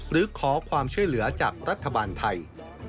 หรือขอความช่วยเหลือจากรัฐบาลไทย